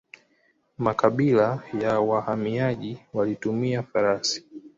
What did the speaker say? Makabila ya wahamiaji walitumia farasi.